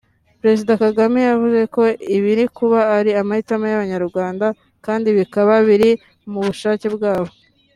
Perezida Kagame yavuze ko ibiri kuba ari amahitamo y’Abanyarwanda kandi bikaba biri mu bushake bwabo